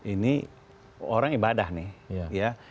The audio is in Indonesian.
ini orang ibadah nih